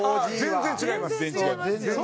全然違います。